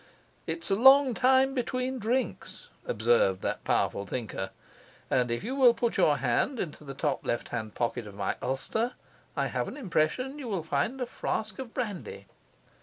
"It's a long time between drinks," observed that powerful thinker; and if you will put your hand into the top left hand pocket of my ulster, I have an impression you will find a flask of brandy.